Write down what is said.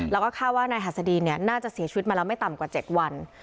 แล้วก็คาดว่านายหัสดีน่าจะเสียชีวิตมาแล้วไม่ต่ำกว่า๗วัน